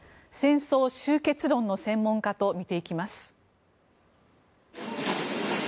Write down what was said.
戦争終結論の専門家と見ていきます。